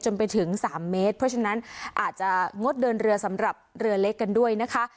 ไปถึง๓เมตรเพราะฉะนั้นอาจจะงดเดินเรือสำหรับเรือเล็กกันด้วยนะคะ